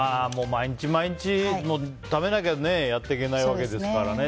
毎日毎日、食べなきゃやっていけないわけですからね。